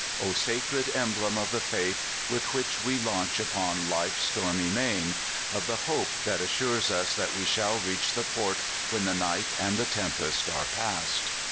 O sacred emblem of the faith with which we launch upon life's stormy main of the hope that assures that we shall reach (82) LONE MOUNTAIN. 83 the port when the night and the tempest are past!